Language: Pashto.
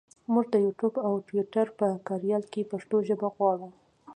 مونږ د یوټوپ او ټویټر په کاریال کې پښتو ژبه غواړو.